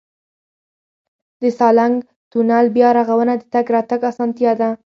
د سالنګ تونل بیا رغونه د تګ راتګ اسانتیا ده.